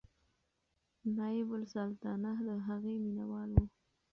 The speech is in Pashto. نایبالسلطنه د هغې مینهوال و.